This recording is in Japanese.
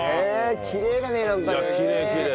きれいだねなんかね。